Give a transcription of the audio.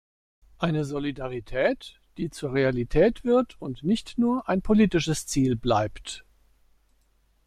Eine Solidarität, die zur Realität wird und nicht nur ein politisches Ziel bleibt.